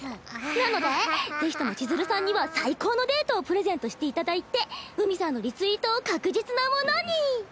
なので是非とも千鶴さんには最高のデートをプレゼントしていただいて海さんのリツイートを確実なものに。